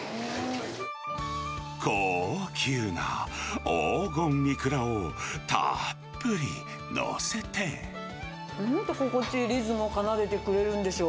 高級な黄金いくらをたっぷりなんて心地いいリズムを奏でてくれるんでしょう。